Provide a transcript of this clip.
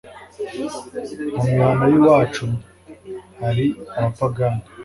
Mu mihana y'iwacu hari abapagani.